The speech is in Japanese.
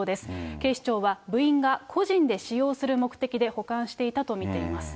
警視庁は部員が個人で使用する目的で保管していたと見ています。